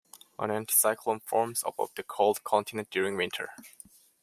An anticyclone forms above the cold continent during winter.